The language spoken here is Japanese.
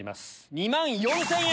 ２万４０００円。